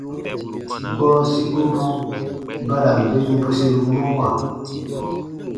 Gɔɔ sikobu ba ra n ben bweseru mɔwa.